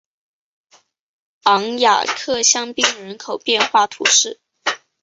昂雅克香槟人口变化图示